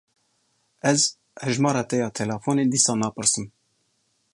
Ez hejmara te ya telefonê dîsa napirsim.